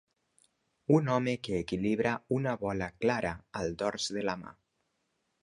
Un home que equilibra una bola clara al dors de la mà.